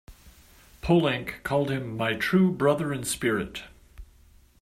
Poulenc called him "my true brother in spirit".